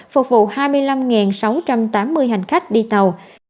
phục vụ hai mươi năm sáu trăm tám mươi hành khách đi tàu